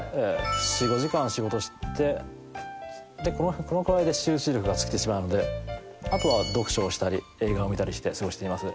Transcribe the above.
４５時間仕事してこのくらいで集中力が尽きてしまうのであとは読書をしたり映画を見たりして過ごしています。